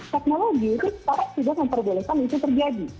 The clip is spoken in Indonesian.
teknologi itu sekarang sudah memperbolehkan itu terjadi